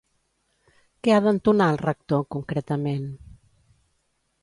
Què ha d'entonar el Rector, concretament?